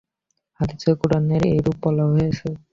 হাদীস ও কুরআনে এরূপই বলা হয়েছে।